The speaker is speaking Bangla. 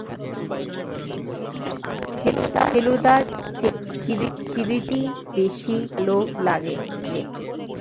আমার ফেলুদার চেয়ে কিরীটী বেশি ভালো লাগে।